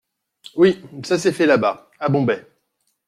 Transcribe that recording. Oui, ça s’est fait là-bas, à Bombay.